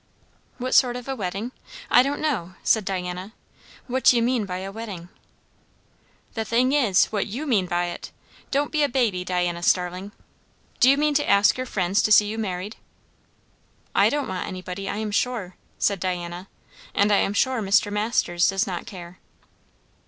"What sort of a wedding? I don't know," said Diana. "What do you mean by a wedding?" "The thing is, what you mean by it. Don't be a baby, Diana Starling! Do you mean to ask your friends to see you married?" "I don't want anybody, I am sure," said Diana. "And I am sure Mr. Masters does not care."